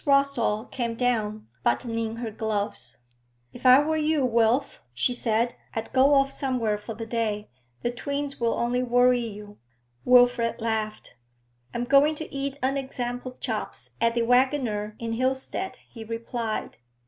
Rossall came down, buttoning her gloves. 'If I were you, Wilf,' she said, 'I'd go off somewhere for the day. The twins will only worry you.' Wilfrid laughed. 'I am going to eat unexampled chops at the "Waggoner" in Hilstead,' he replied.